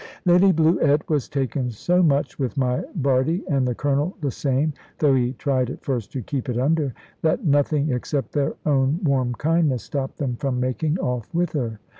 Lady Bluett was taken so much with my Bardie, and the Colonel the same though he tried at first to keep it under that nothing except their own warm kindness stopped them from making off with her.